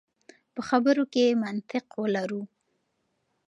په خبرو کې منطق ولرو.